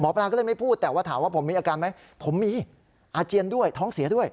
ปลาก็เลยไม่พูดแต่ว่าถามว่าผมมีอาการไหมผมมีอาเจียนด้วยท้องเสียด้วย